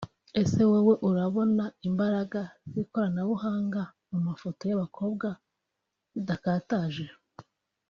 Ese wowe urabona imbaraga z’ikoranabuhanga mu mafoto y’abakobwa zidakataje